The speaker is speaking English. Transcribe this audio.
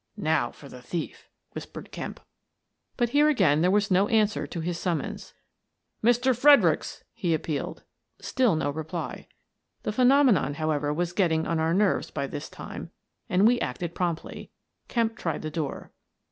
" Now for the thief," whispered Kemp. 54 Miss Frances Baird, Detective But here again there was no answer to his sum mons. "Mr. Fredericks!" he appealed. Still no reply. The phenomenon, however, was getting on our nerves by this time and we acted promptly. Kemp tried the door.